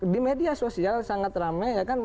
di media sosial sangat ramai ya kan